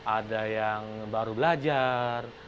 ada yang baru belajar